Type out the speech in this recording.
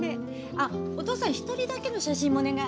あっお父さん一人だけの写真もお願い。